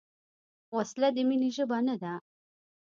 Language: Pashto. وسله د مینې ژبه نه ده